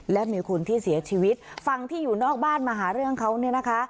และมีคนที่เสียชีวิตฝั่งที่อยู่นอกบ้านมาหาเรื่องเขาเนี่ยนะคะ